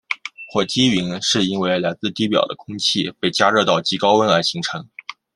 火积云是因为来自地表的空气被加热到极高温而形成。